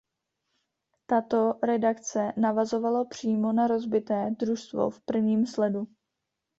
Tato redakce navazovala přímo na rozbité „Družstvo v prvním sledu“.